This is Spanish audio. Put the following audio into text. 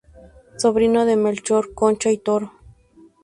Sobrino de Melchor Concha y Toro.